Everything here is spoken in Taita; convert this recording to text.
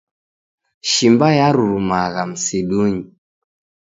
Shimba yarurumagha msidunyi